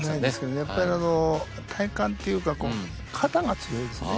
やっぱり体幹っていうか肩が強いですね。